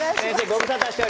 ご無沙汰しております。